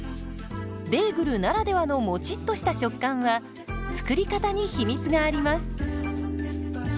ベーグルならではのもちっとした食感は作り方に秘密があります。